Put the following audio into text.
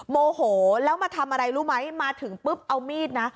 โมโหแล้วมาทำอะไรรู้ไหมมาถึงปุ๊บเอามีดนะ